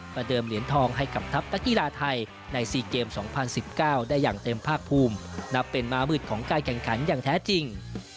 เดิมเหรียญทองให้กับทัพนักกีฬาไทยใน๔เกม๒๐๑๙ได้อย่างเต็มภาคภูมินับเป็นม้ามืดของการแข่งขันอย่างแท้จริง